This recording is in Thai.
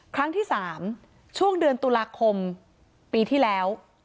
ครั้งที่๓ช่วงเดือนตุลาคมปีที่แล้ว